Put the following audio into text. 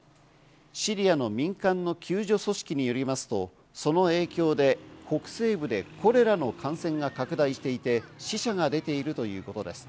シリアの民間の救助組織によりますと、その影響で北西部で、コレラの感染が拡大していて、死者が出ているということです。